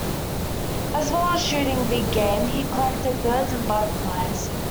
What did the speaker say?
As well as shooting big game, he collected birds and butterflies.